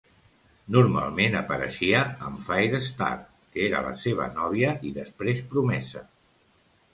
Normalment apareixia amb Firestar, que era la seva nòvia i després promesa.